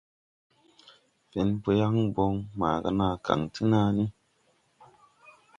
Fen po yaŋ bɔŋ maaga naa kaŋ ti naa ni,